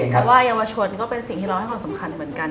แต่ว่าเยาวชนก็เป็นสิ่งที่เราให้ความสำคัญเหมือนกัน